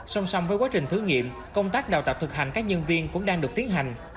song song với quá trình thử nghiệm công tác đào tạo thực hành các nhân viên cũng đang được tiến hành